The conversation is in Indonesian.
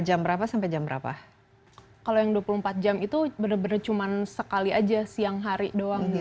jam berapa sampai jam berapa kalau yang dua puluh empat jam itu bener bener cuman sekali aja siang hari doang